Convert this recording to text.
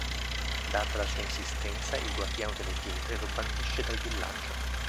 Data la sua insistenza il guardiano delle pietre lo bandisce dal villaggio.